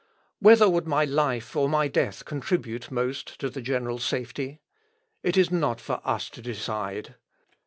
Whether would my life or my death contribute most to the general safety? It is not for us to decide.